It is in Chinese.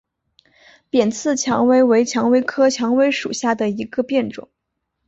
扁刺蔷薇为蔷薇科蔷薇属下的一个变种。